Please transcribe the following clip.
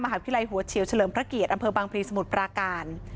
หาวิทยาลัยหัวเฉียวเฉลิมพระเกียรติอำเภอบางพลีสมุทรปราการ